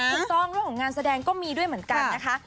เรื่องของงานแสดงก็มีด้วยเหมือนกันนะคะ